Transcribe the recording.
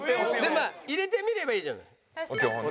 まあ入れてみればいいじゃない。